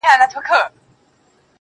زما د زنده گۍ له هر يو درده سره مله وه,